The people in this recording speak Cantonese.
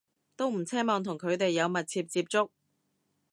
都唔奢望同佢哋有密切接觸